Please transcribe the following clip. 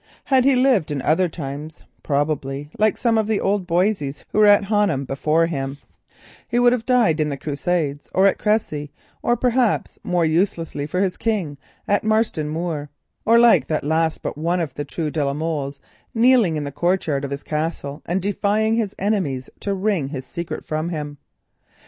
Had he lived in other times, like some of the old Boisseys and de la Molles, who were at Honham before him, he would probably have died in the Crusades or at Cressy, or perhaps more uselessly, for his King at Marston Moor, or like that last but one of the true de la Molles, kneeling in the courtyard of his Castle and defying his enemies to wring his secret from him.